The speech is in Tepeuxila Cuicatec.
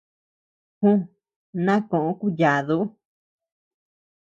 Ju, na koʼo kuyadu.